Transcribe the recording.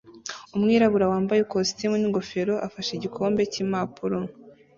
Umwirabura wambaye ikositimu yera n'ingofero afashe igikombe cy'impapuro